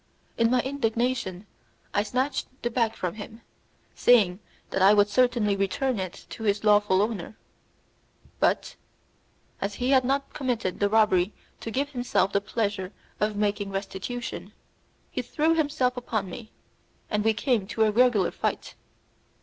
In my indignation I snatched the bag from him, saying that I would certainly return it to its lawful owner. But, as he had not committed the robbery to give himself the pleasure of making restitution, he threw himself upon me, and we came to a regular fight.